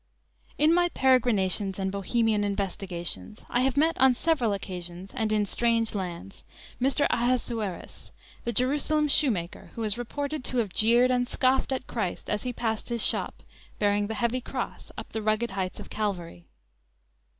"_ In my peregrinations and bohemian investigations I have met on several occasions, and in strange lands, Mr. Ahasuerus, the Jerusalem shoemaker, who is reported to have jeered and scoffed at Christ as he passed his shop, bearing the heavy cross up the rugged heights of Calvary.